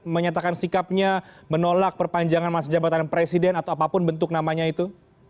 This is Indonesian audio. menyatakan sikapnya menolak perpanjangan masa jabatan presiden atau apapun bentuk namanya itu